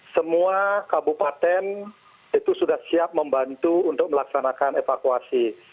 semua kabupaten itu sudah siap membantu untuk melaksanakan evakuasi